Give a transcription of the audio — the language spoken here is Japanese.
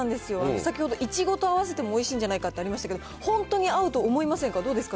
先ほどいちごと合わせてもおいしいんじゃないかとありましたけれども、本当に合うと思いませんか、どうですか？